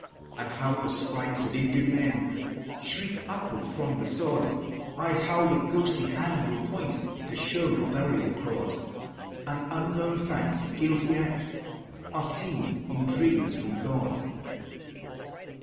And how the sprites of injured men Shriek upward from the sod, Ay, how the ghostly hand will point To show the burial clod; And unknown facts of guilty acts Are seen in dreams from God!